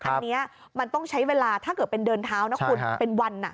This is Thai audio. อันนี้มันต้องใช้เวลาถ้าเกิดเป็นเดินเท้านะคุณเป็นวัน